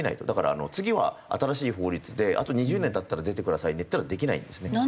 だから次は新しい法律であと２０年経ったら出てくださいっていうのはできないんですね。